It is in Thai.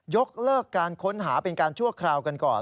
ยกเลิกการค้นหาเป็นการชั่วคราวกันก่อน